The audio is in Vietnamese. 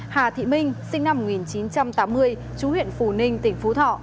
hà thị minh sinh năm một nghìn chín trăm tám mươi chú huyện phù ninh tỉnh phú thọ